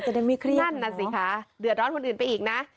ได้ไม่เครียดนะสิคะเดือดร้อนคนอื่นไปอีกนะ